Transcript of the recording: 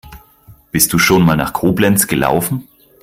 Bist du schon mal nach Koblenz gelaufen?